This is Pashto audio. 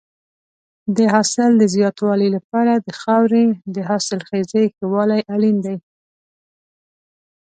د حاصل د زیاتوالي لپاره د خاورې د حاصلخېزۍ ښه والی اړین دی.